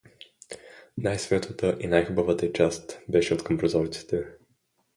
Най–светлата и най–хубавата й част беше откъм прозорците.